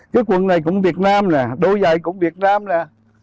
cái quần này cũng việt nam nè đôi giày cũng việt nam nè